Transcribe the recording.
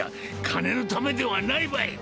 金のためではないわい！